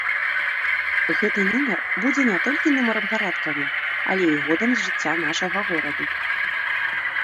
Гэты нумар будзе не толькі нумарам парадкавым, але і годам з жыцця нашага гораду.